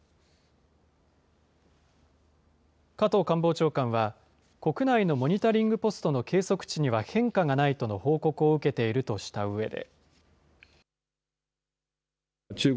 加藤官房長官は、国内のモニタリングポストの計測値には変化がないとの報告を受けているとしたうえで。